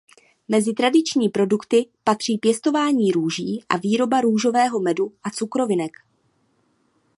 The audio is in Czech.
Mezi tradiční produkty patří pěstování růží a výroba růžového medu a cukrovinek.